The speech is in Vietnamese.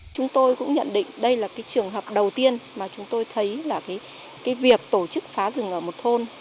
chúng tôi cũng nhận định đây là cái trường hợp đầu tiên mà chúng tôi thấy là việc tổ chức phá rừng ở một thôn